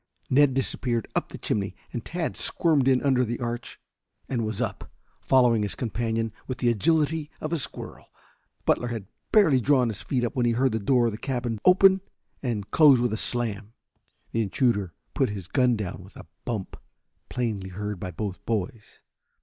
Ned disappeared up the chimney, and Tad squirmed in under the arch and was up, following his companion with the agility of a squirrel. Butler had barely drawn his feet up when he heard the door of the cabin open and close with a slam. The intruder put his gun down with a bump plainly heard by both boys.